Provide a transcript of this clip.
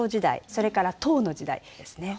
それから唐の時代ですね。